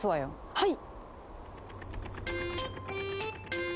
はい！